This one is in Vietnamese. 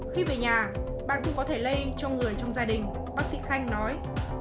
khi về nhà bạn cũng có thể lây cho người trong gia đình bác sĩ khanh nói